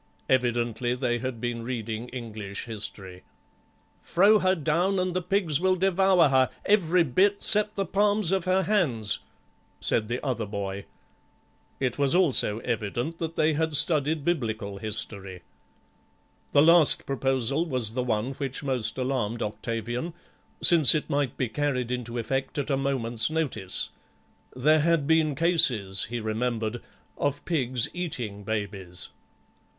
Evidently they had been reading English history. "Frow her down the pigs will d'vour her, every bit 'cept the palms of her hands," said the other boy. It was also evident that they had studied Biblical history. The last proposal was the one which most alarmed Octavian, since it might be carried into effect at a moment's notice; there had been cases, he remembered, of pigs eating babies.